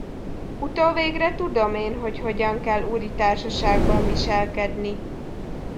Utóvégre tudom én, hogy hogyan kell úri társaságban viselkedni.